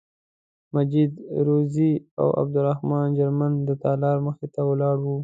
مجید روزي او عبدالرحمن جرمن د تالار مخې ته ولاړ وو.